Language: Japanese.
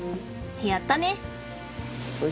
やったね！